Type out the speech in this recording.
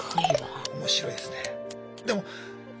面白いですね。